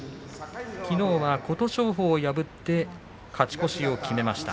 きのうは琴勝峰を破って勝ち越しを決めました。